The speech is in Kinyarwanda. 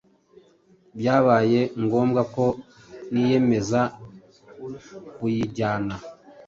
Byabaye ngombwa ko niyemeza kuyijyana